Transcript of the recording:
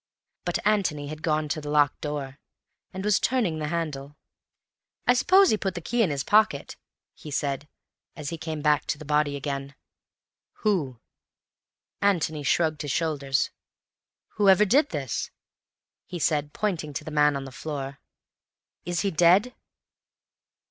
But Antony had gone to the locked door, and was turning the handle. "I suppose he put the key in his pocket," he said, as he came back to the body again. "Who?" Antony shrugged his shoulders. "Whoever did this," he said, pointing to the man on the floor. "Is he dead?"